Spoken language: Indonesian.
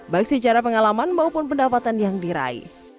baik secara pengalaman maupun pendapatan yang diraih